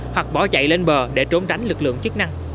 hoặc bỏ chạy lên bờ để trốn tránh lực lượng chức năng